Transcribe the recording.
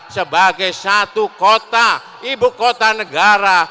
sebagai satu kota ibu kota negara